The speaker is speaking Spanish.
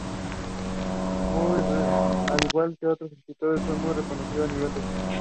Al igual que otros escritores, el fue muy reconocido a nivel regional.